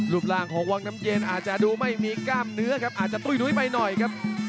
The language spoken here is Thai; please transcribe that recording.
ร่างของวังน้ำเย็นอาจจะดูไม่มีกล้ามเนื้อครับอาจจะตุ้ยนุ้ยไปหน่อยครับ